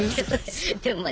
でもまあ